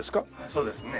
そうですね。